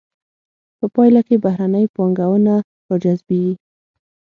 په پایله کې بهرنۍ پانګونه را جذبیږي.